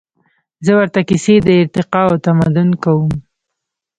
زهٔ ورته کیسې د ارتقا او تمدن کوم